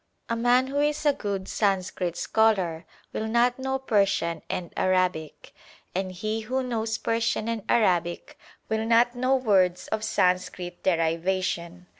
A man who is a good Sanskrit scholar will not know Persian and Arabic, and he who knows Persian and Arabic will not know words of Sanskrit derivation.